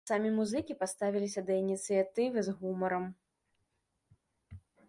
Самі музыкі паставіліся да ініцыятывы з гумарам.